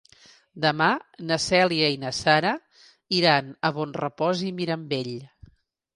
Demà na Cèlia i na Sara iran a Bonrepòs i Mirambell.